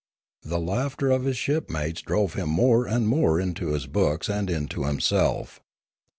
The laughter of his shipmates drove him more and more into his books and into himself.